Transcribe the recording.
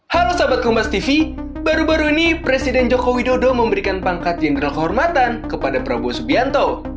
halo sahabat ke mas tv baru baru ini presiden joko widodo memberikan pangkat jenderal kehormatan kepada prabowo subianto